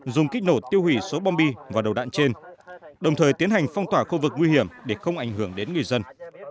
dùng kích nổ tiêu hủy số bom bi và đầu đạn trên đồng thời tiến hành phong tỏa khu vực nguy hiểm để không ảnh hưởng đến người dân